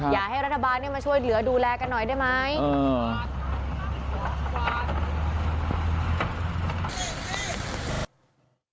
อยากให้รัฐบาลเนี่ยมาช่วยเหลือดูแลกันหน่อยได้ไหม